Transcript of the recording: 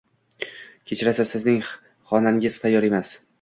Kechirasiz, sizning xonangiz tayyor emas.